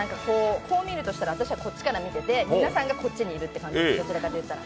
こう見るとしたら私はこっちから見ていて皆さんがこっちにいるっていう感じです、どちらかといったら。